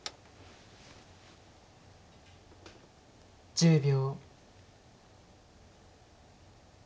１０秒。